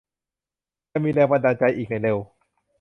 จะมีแรงบันดาลใจอีกในเร็ว